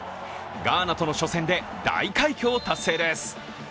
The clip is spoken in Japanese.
ガーナとの初戦で大快挙を達成です。